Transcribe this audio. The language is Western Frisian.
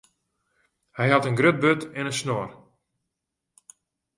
Hy hat in grut burd en in snor.